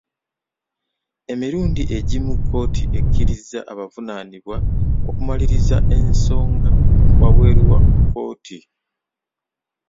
Emirundi egimu kkooti ekkiriza abavunaanibwa okumaliriza ensonga wabweru wa kkooti.